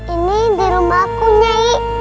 ini di rumahku nyai